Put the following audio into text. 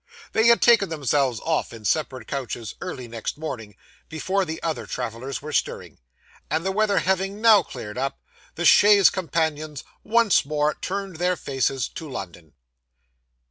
They had taken themselves off in separate coaches, early next morning, before the other travellers were stirring; and the weather having now cleared up, the chaise companions once more turned their faces to London.